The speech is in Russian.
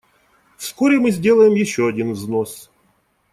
Вскоре мы сделаем еще один взнос.